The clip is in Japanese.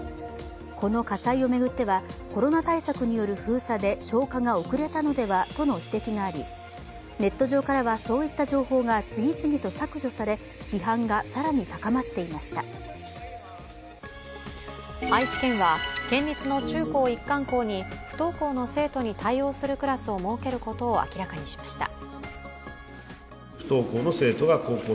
この火災を巡ってはコロナ対策による封鎖で消火が遅れたのではの指摘がありネット上でからは、そういった情報が次々と削除され愛知県は県立の中高一貫校に不登校の生徒に対応するクラスを設けることを明らかにしました。